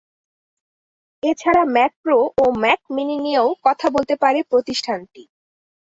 এ ছাড়া Mac Pro ও Mac mini নিয়েও কথা বলতে পারে প্রতিষ্ঠানটি।